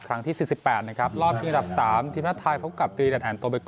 ครั้งที่สิบสิบแปดนะครับรอบชิงกระดับสามทีมนัดไทยพบกับ